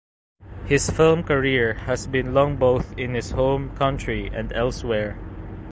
His film career has been long both in his home country and elsewhere.